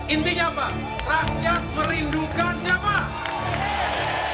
intinya pak rakyat merindukan siapa